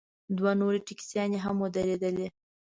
دوه نورې ټیکسیانې هم ودرېدلې.